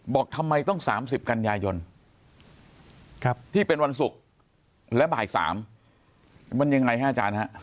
บอกทำไมต้อง๓๐กันยายนที่เป็นวันศุกร์และบ่าย๓มันยังไงฮะอาจารย์ฮะ